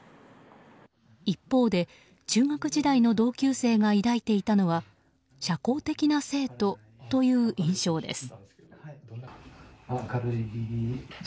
一方で、中学時代の同級生が抱いていたのは社交的な生徒という印象です。